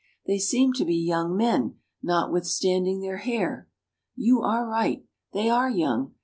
They seem to be young men notwithstanding their hair. You are right. They are young.